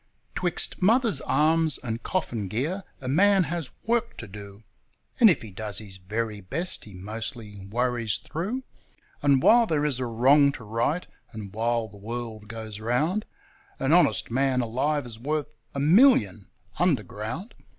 'Twixt mother's arms and coffin gear a man has work to do! And if he does his very best he mostly worries through, And while there is a wrong to right, and while the world goes round, An honest man alive is worth a million underground.